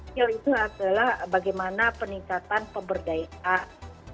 skill itu adalah bagaimana peningkatan pemberdayaan